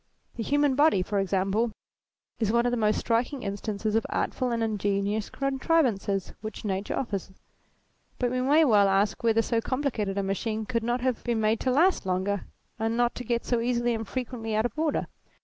The human body, for ex ample, is one of the most striking instances of artful and ingenious contrivance which nature offers, but we may well ask whether so complicated a machine could not have been made to last longer, and not to get so easily and frequently out of order.